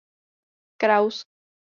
Kraus.